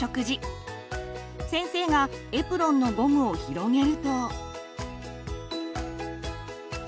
先生がエプロンのゴムを広げると。